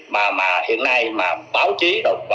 mà mà hiện nay mà báo chí và con người ta than quán như vậy